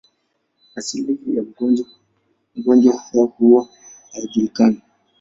Asili ya magonjwa haya huwa hayajulikani.